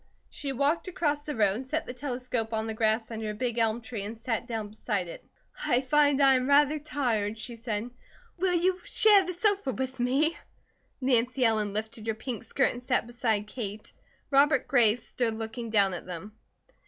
She walked across the road, set the telescope on the grass under a big elm tree, and sat down beside it. "I find I am rather tired," she said. "Will you share the sofa with me?" Nancy Ellen lifted her pink skirt and sat beside Kate. Robert Gray stood looking down at them.